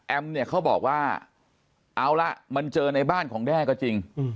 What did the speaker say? เนี่ยเขาบอกว่าเอาละมันเจอในบ้านของแด้ก็จริง